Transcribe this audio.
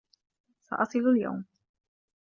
سأصل اليوم.